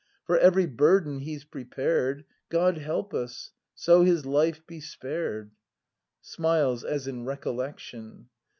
For every burden he's prepared, God help us, — so his life be spared! [Smiles as in recollection.